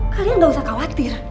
kalian gak usah khawatir